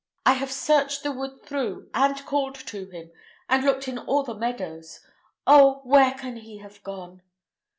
I have searched the wood through, and called to him, and looked in all the meadows. Oh! where can he have gone?"